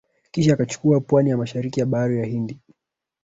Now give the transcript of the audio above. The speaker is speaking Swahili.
kisha akachukua pwani ya mashariki ya Bahari ya